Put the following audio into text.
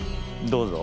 どうぞ。